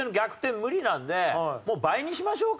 無理なんでもう倍にしましょうか。